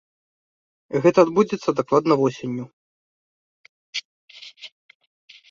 Гэта адбудзецца дакладна восенню.